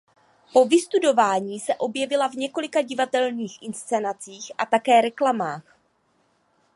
Po vystudování se objevila v několika divadelních inscenacích a také reklamách.